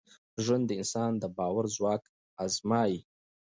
ژوند د انسان د باور ځواک ازمېيي.